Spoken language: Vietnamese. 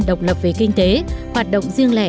độc lập về kinh tế hoạt động riêng lẻ